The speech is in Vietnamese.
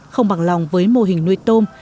không bằng lòng với mô hình nuôi tôm